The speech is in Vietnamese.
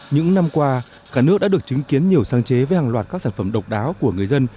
những năm qua cả nước đã được chứng kiến nhiều sáng chế với hàng loạt các sản phẩm độc đáo của người dân